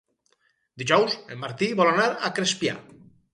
Dijous en Martí vol anar a Crespià.